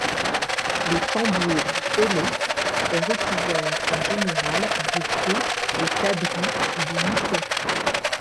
Le tambour bèlè est recouvert en général d’une peau de cabri ou de mouton.